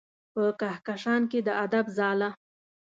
په کهکشان کې د ادب ځاله